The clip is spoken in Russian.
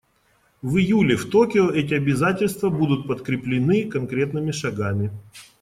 В июле в Токио эти обязательства будут подкреплены конкретными шагами.